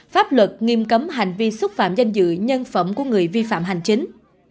pháp luật nghiêm cấm hành vi xúc phạm danh dự nhân phẩm của người vi phạm hành chính